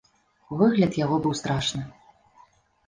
Выгляд яго быў страшны.